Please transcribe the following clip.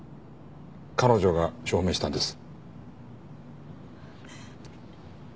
彼女が証明したんです。